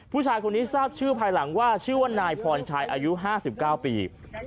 ผู้ชายคนนี้ทราบชื่อภายหลังว่าชื่อว่านายพรชัยอายุ๕๙ปี